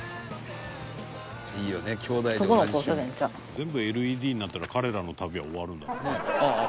「全部ＬＥＤになったら彼らの旅は終わるんだろうね」